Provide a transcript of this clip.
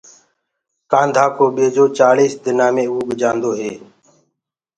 ڪآنڌآ ڪو ٻيجو چآززݪيِس دنآ مي تآر هوندو هي۔